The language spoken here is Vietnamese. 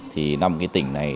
thì năm cái tỉnh này